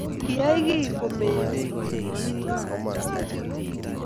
kiyai kii komeyo moonikab biik che chang'